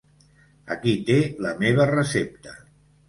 Aquí té la meva recepta.